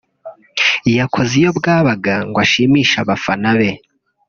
yakoze iyo bwabaga ngo ashimishe abafana be